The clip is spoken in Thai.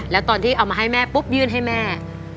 แล้วตอนที่เอามาให้แม่ปุ๊บยื่นให้แม่